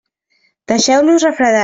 Deixeu-los refredar.